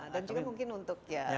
dan juga mungkin untuk ya